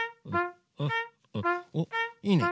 おっいいね！